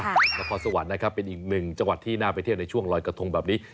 นครสวรรค์นะครับเป็นอีกหนึ่งจังหวัดที่น่าไปเที่ยวในช่วงลอยกระทงแบบนี้